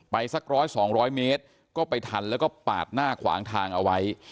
สักร้อยสองร้อยเมตรก็ไปทันแล้วก็ปาดหน้าขวางทางเอาไว้